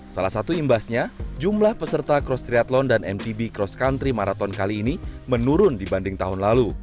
salah satu imbasnya jumlah peserta cross triathlon dan mtb cross country marathon kali ini menurun dibanding tahun lalu